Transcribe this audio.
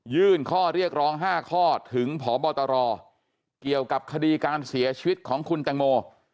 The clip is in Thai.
ข้อเรียกร้อง๕ข้อถึงพบตรเกี่ยวกับคดีการเสียชีวิตของคุณแตงโม